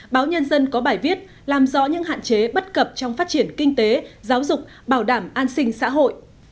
báo nhân dân có bài viết làm rõ những hạn chế bất cập trong phát triển kinh tế giáo dục bảo đảm an sinh xã hội